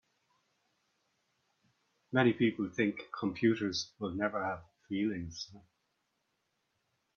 Many people think computers will never have feelings.